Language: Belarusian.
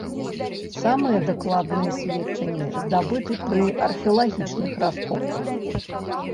Самыя дакладныя сведчанні здабыты пры археалагічных раскопках.